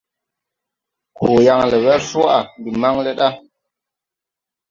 Koo yaŋ le wer swaʼ. Ndi maŋn le ɗa.